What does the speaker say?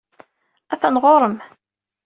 Atan ɣer-m.